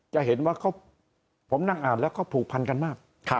จะเห็นว่าผมนั่งอ่านแล้วก็ผูกพันกันมาก